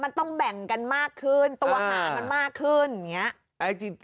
มันต้องแบ่งกันมากขึ้นตัวหามันมากขึ้นอย่างนี้